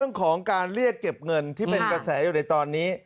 เรื่องของการเรียกเก็บเงินที่เป็นกระแสอยู่ในตอนนี้